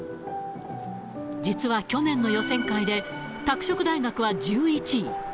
実は去年の予選会で、拓殖大学は１１位。